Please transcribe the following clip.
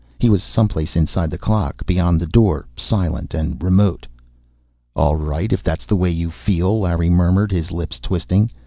He was someplace inside the clock, beyond the door, silent and remote. "All right, if that's the way you feel," Larry murmured, his lips twisting.